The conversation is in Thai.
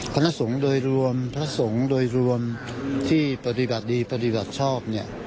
คณะสงฆ์โดยรวมพระสงฆ์โดยรวมที่ปฏิบัติดีปฏิบัติชอบเนี่ย